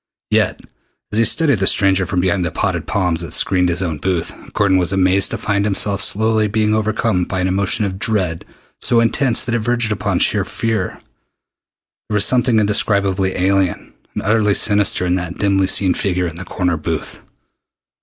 Yet, as he studied the stranger from behind the potted palms that screened his own booth. Gordon was amazed to find himself slowly being overcome by an emotion of dread so intense that it verged upon sheer fear. There was something indescribably alien and utterly sinister in that dimly seen figure in the corner booth.